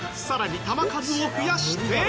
さらに球数を増やして。